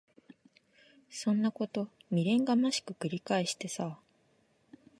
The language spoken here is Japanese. そんなこと未練がましく繰り返してさ。